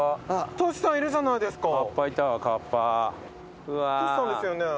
トシさんですよね。